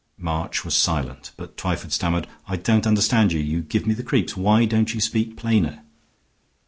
March was silent; but Twyford stammered. "I don't understand you. You give me the creeps. Why don't you speak plainer?"